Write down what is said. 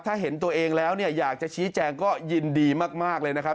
ถ้าเห็นตัวเองแล้วเนี่ยอยากจะชี้แจงก็ยินดีมากเลยนะครับ